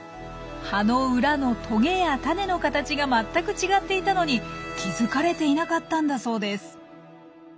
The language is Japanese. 葉の裏のトゲやタネの形が全く違っていたのに気付かれていなかったんだそうです。